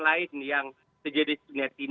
lain yang sejadinya